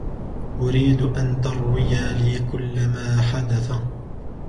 أريد أن ترويا لي كلّ ما حدث.